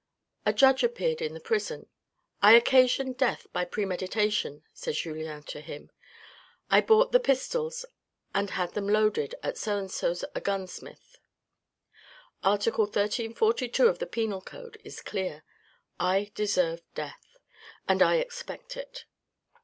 A judge appeared in the prison. " I occasioned death by premeditation," said Julien to him. " I bought the pistols and had them loaded at so and so's, a gunsmith. Article 1342 of the penal code is clear. I deserve death, and I expect it."